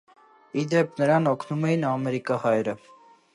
Ի դեպ, նրան օգնում էին ամերիկահայերը։